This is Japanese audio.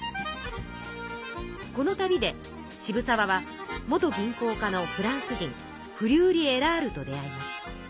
この旅で渋沢は元銀行家のフランス人フリューリ・エラールと出会います。